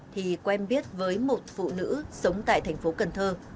thì quen biết với một phụ nữ sống tại thành phố cần thơ